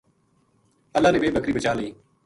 اللہ نے ویہ بکری بچا لئی